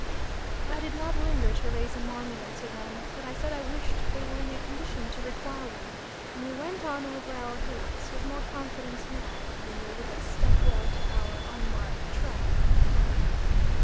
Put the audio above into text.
I did not linger to raise a monument to them, but I said I wished they were in a condition to require one, and we went on over our hillocks with more confidence now that we knew we had stuck well to our unmarked track.